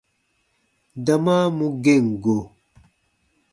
Dama mu gem go.